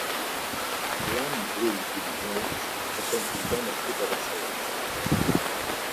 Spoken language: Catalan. Joan Brull i Vinyoles va ser un pintor nascut a Barcelona.